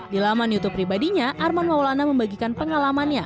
di laman youtube pribadinya arman maulana membagikan pengalamannya